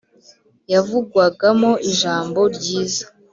yavugwagamo ijambo ryiza.